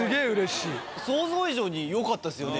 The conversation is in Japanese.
想像以上に良かったですよね。